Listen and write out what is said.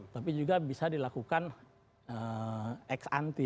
tapi juga bisa dilakukan ex ante